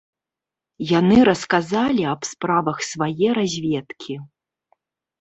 Яны расказалі аб справах свае разведкі.